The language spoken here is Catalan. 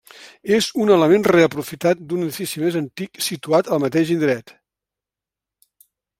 És un element reaprofitat d'un edifici més antic situat al mateix indret.